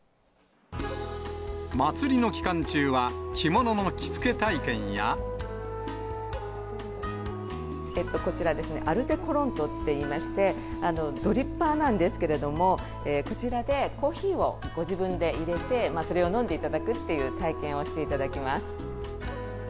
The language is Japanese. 祭りの期間中は、着物の着付け体験や、こちら、アルテコロントといいまして、ドリッパーなんですけれども、こちらでコーヒーをご自分で入れて、それを飲んでいただくという体験をしていただきます。